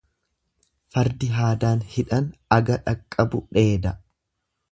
Fardi haadaan hidhan aga dhaqqabu dheeda.